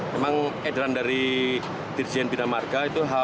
memang edaran dari dirjen bidamarka itu h sepuluh